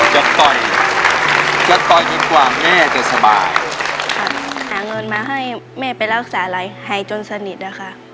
จะแต่จะจะสบายหาเงินมาให้เม่ไปรักษาอะไรให้จนสนิทแล้วค่ะ